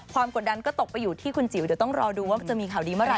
กดดันก็ตกไปอยู่ที่คุณจิ๋วเดี๋ยวต้องรอดูว่ามันจะมีข่าวดีเมื่อไห